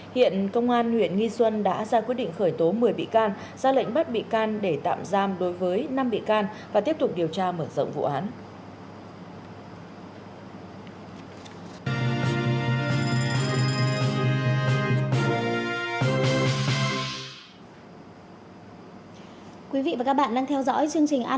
hiện công an huyện nghi xuân đã ra quyết định khởi tố một mươi bị can ra lệnh bắt bị can để tạm giam đối với năm bị can và tiếp tục điều tra mở rộng vụ án